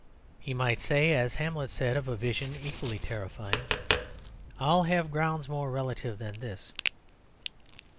He might say, as Hamlet said of a vision equally terrifying, "I'll have grounds more relative than this."